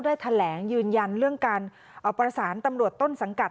ได้แถลงยืนยันเรื่องการเอาประสานตำรวจต้นสังกัด